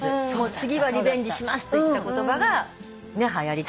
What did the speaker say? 「次はリベンジします」と言った言葉がはやりといいます